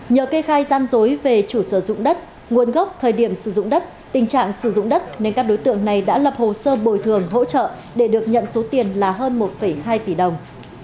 nhờ kê khai gian dối về chủ sử dụng đất nguồn gốc thời điểm sử dụng đất tình trạng sử dụng đất nên các đối tượng này đã lập hồ sơ bồi thường hỗ trợ để được nhận số tiền là hơn một hai tỷ đồng